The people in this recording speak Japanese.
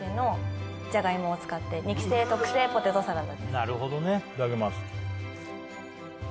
なるほどねいただきます。